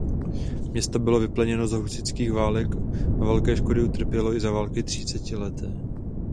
Město bylo vypleněno za husitských válek a velké škody utrpělo i za války třicetileté.